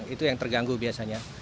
itu yang terganggu biasanya